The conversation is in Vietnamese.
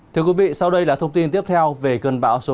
thưa quý vị sau đây là thông tin tiếp theo về cơn bão số sáu